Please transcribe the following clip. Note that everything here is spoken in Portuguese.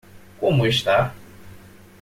Como está?